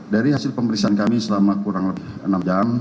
dari hasil pemeriksaan kami selama kurang lebih enam jam